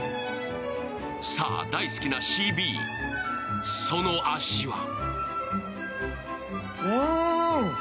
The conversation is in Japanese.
さあ、大好きなＣＢ、その味は？